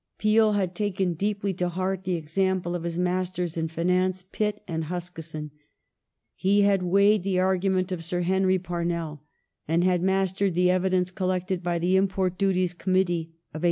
Peel had taken deeply to heart the example of his mastei*s in finance, Pitt and Huskisson ; he had weighed the argument of Sir Henry Parnell and had mastered the evidence collected by the import Duties Committee of 1840.